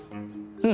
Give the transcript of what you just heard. うん。